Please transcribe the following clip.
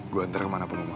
gue ntar ke mana pun lo mau